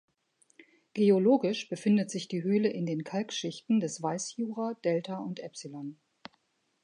Geologisch befindet sich die Höhle in den Kalkschichten des Weißjura delta und epsilon.